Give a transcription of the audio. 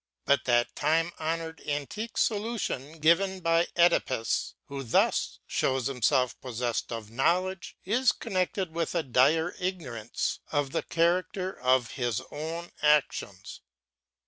But that time honored antique solution given by CEdipus â who thus shows himself possessed of knowledge â is connected with a dire ignorance of the character of his own actions.